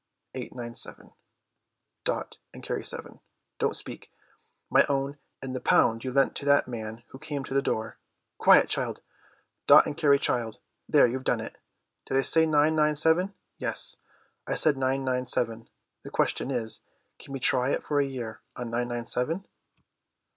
—eight nine seven, dot and carry seven—don't speak, my own—and the pound you lent to that man who came to the door—quiet, child—dot and carry child—there, you've done it!—did I say nine nine seven? yes, I said nine nine seven; the question is, can we try it for a year on nine nine seven?"